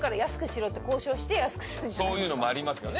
そういうのもありますよね